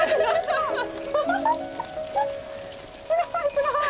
すごい！